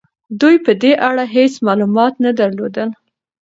دوی په دې اړه هيڅ معلومات نه درلودل.